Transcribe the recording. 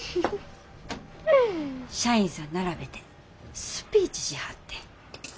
社員さん並べてスピーチしはってん。